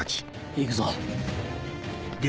行くぞ。